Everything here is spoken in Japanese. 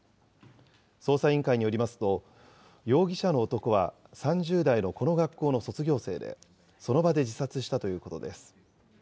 捜査委員会によりますと、容疑者の男は３０代のこの学校の卒業生で、その場で自殺したということです。